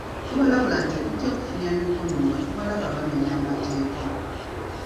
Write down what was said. Tubalabula nti tetujja kufunya mikono nga tubalaba bamenya amateeka.